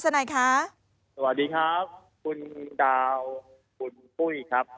สวัสดีครับคุณดาวคุณปุ้ยครับ